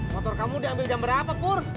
motor kamu diambil jam berapa kur